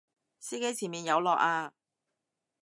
司機前面有落啊！